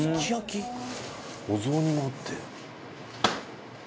お雑煮もあって」